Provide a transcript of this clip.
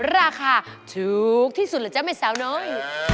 ราคาถูกที่สุดเหรอจ๊ะแม่สาวน้อย